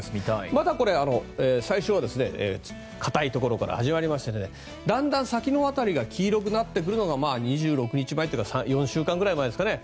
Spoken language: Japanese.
まだこれ、最初は固いところから始まりましてだんだん先の辺りが黄色くなってくるのが２６日前というか４週間ぐらい前ですかね。